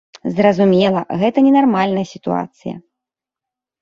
Зразумела, гэта не нармальная сітуацыя.